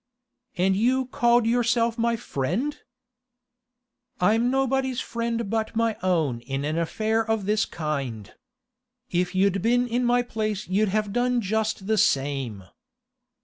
'And you called yourself my friend?' 'I'm nobody's friend but my own in an affair of this kind. If you'd been in my place you'd have done just the same.